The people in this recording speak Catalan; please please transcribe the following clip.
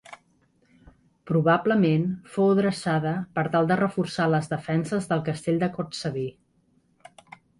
Probablement fou dreçada per tal de reforçar les defenses del Castell de Cortsaví.